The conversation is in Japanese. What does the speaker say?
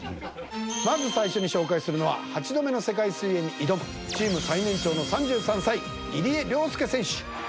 まず最初に紹介するのは８度目の世界水泳に挑むチーム最年長の３３歳入江陵介選手。